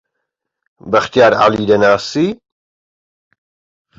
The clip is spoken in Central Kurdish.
بەختیار عەلی دەناسی؟